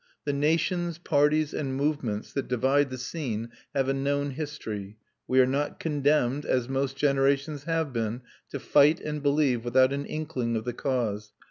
The nations, parties, and movements that divide the scene have a known history. We are not condemned, as most generations have been, to fight and believe without an inkling of the cause.